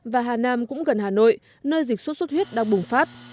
và hà nam cũng gần hà nội nơi dịch sốt xuất huyết đang bùng phát